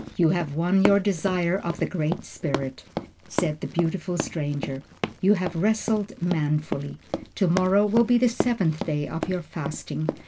"You have won your desire of the Great Spirit," said the beautiful stranger. "You have wrestled manfully. To morrow will be the seventh day of your fasting.